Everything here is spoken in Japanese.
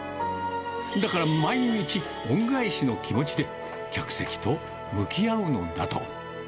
だから、毎日、恩返しの気持ちで、客席と向き合うのだと。